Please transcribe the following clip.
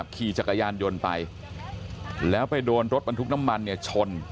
ขี่จักรยานยนต์ไปแล้วไปโดนรถบรรทุกน้ำมันเนี่ยชน